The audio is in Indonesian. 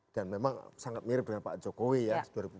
dan memang sangat mirip dengan pak jokowi ya